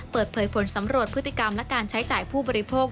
เปิดเผยผลสำรวจพฤติกรรมและการใช้จ่ายผู้บริโภค